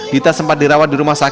dita sempat dirawat di rumah sakit